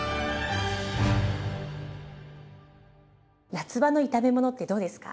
夏場の炒め物ってどうですか？